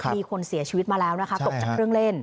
มีคนเสียชีวิตมาแล้วนะคะตกจากเครื่องเล่น